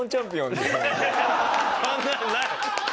そんなのない！